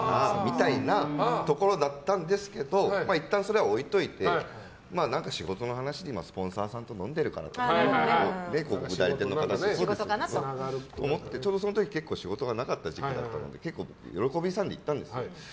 そういうところだったんですけどいったんそれは置いておいて何か仕事の話でスポンサーさんと飲んでるからとかかなと思ってちょうどその時、結構仕事がなかった時期だったので結構喜んで行ったんですよ。